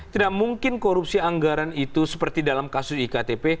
tidak mungkin korupsi anggaran itu seperti dalam kasus iktp